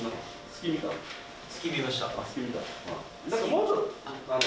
もうちょっと。